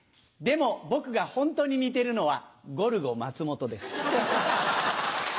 でも僕がホントに似てるのはゴルゴ松本です。